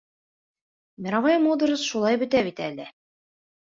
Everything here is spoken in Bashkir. «Мировая мудрость» шулай бөтә бит әле.